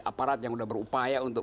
aparat yang sudah berupaya untuk